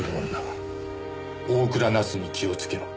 大倉奈津に気をつけろ！」